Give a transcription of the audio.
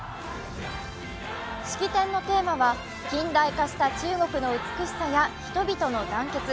式典のテーマは、近代化した中国の美しさや人々の団結。